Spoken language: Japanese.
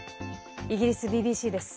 イギリスＢＢＣです。